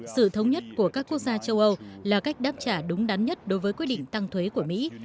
sự thống nhất của các quốc gia châu âu là cách đáp trả đúng đắn nhất đối với quyết định tăng thuế của mỹ